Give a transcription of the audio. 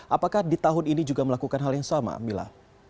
apakah di tahun ini juga melakukan hal yang sama mila